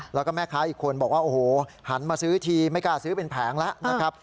แล้วก็แม่ค้าอีกคนบอกว่าโอ้โหหันมาซื้อทีไม่กล้าซื้อเป็นแผงแล้วนะครับ